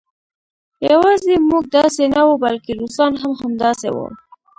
یوازې موږ داسې نه وو بلکې روسان هم همداسې وو